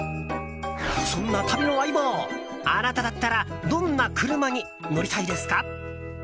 そんな旅の相棒あなただったらどんな車に乗りたいですか。